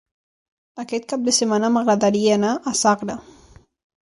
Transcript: Aquest cap de setmana m'agradaria anar a Sagra.